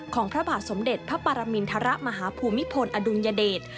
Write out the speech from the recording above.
พระบาทสมเด็จพระปรมินทรมาฮภูมิพลอดุลยเดช